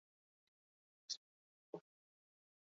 Kontsulta ezazu zinema blogean.